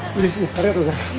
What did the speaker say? ありがとうございます。